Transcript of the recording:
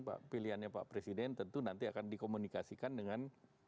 pak pilihannya pak presiden tentu nanti akan dikomunikasikan dengan